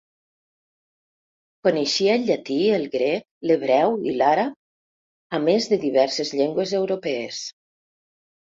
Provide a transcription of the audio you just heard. Coneixia el llatí, el grec, l'hebreu i l'àrab, a més de diverses llengües europees.